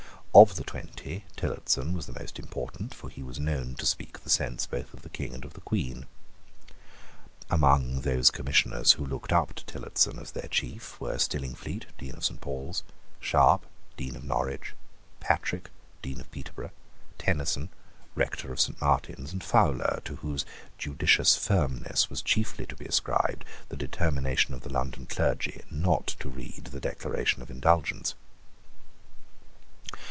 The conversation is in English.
Of the twenty Tillotson was the most important: for he was known to speak the sense both of the King and of the Queen. Among those Commissioners who looked up to Tillotson as their chief were Stillingfleet, Dean of Saint Paul's, Sharp, Dean of Norwich, Patrick, Dean of Peterborough, Tenison, Rector of Saint Martin's, and Fowler, to whose judicious firmness was chiefly to be ascribed the determination of the London clergy not to read the Declaration of Indulgence.